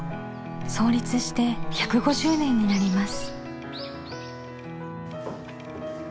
創立して１５０年になります。